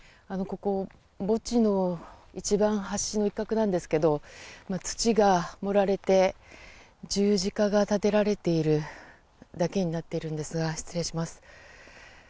ここ、墓地の一番端の一角なんですけど土が盛られて十字架が建てられているだけになっているんですが失礼します。